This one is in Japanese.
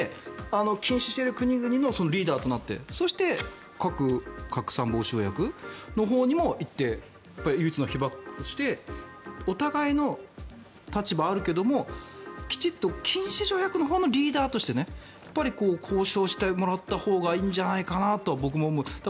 禁止している国々のリーダーとなってそして核拡散防止条約のほうにも行って唯一の被爆国としてお互いの立場はあるけれどもきちんと禁止条約のほうのリーダーとして交渉してもらったほうがいいんじゃないかと僕も思います。